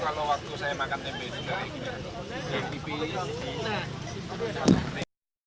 kalau waktu saya makan tempe sedari